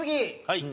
はい。